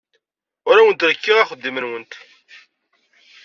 Ur awent-rekkiɣ axeddim-nwent.